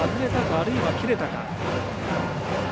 あるいは切れたか。